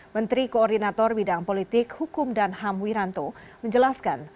menteri koordinator bidang politik hukum dan ham wiranto menjelaskan